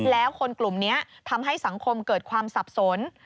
แล้วคนกลุ่มนี้ทำให้สังคมเกิดความสับสน